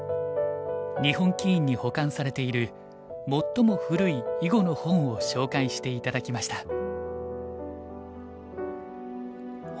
日本棋院に保管されている最も古い囲碁の本を紹介して頂きました。